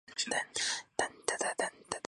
美国有四个县名为伯克县。